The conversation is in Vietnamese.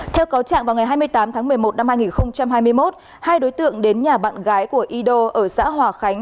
theo cáo trạng vào ngày hai mươi tám tháng một mươi một năm hai nghìn hai mươi một hai đối tượng đến nhà bạn gái của y đô ở xã hòa khánh